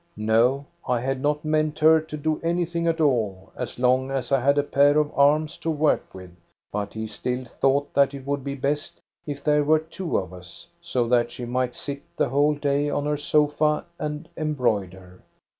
No, I had not meant her to do anything at all, as long as I had a pair of arms to work with. But he still thought that it would be best if there were two of us, so that she might sit the whole day on her sofa and embroider.